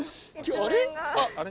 あれ？